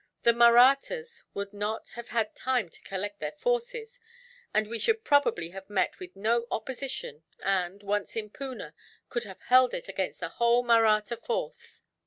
The Mahrattas would not have had time to collect their forces, and we should probably have met with no opposition and, once in Poona, could have held it against the whole Mahratta force.